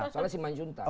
soalnya si manjuntan